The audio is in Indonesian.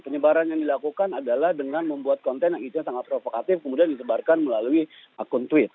penyebaran yang dilakukan adalah dengan membuat konten yang itu sangat provokatif kemudian disebarkan melalui akun twit